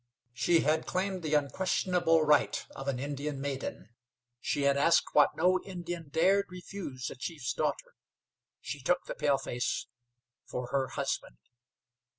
She had claimed questionable right of an Indian maiden; she asked what no Indian dared refuse a chief's daughter; she took the paleface for her husband.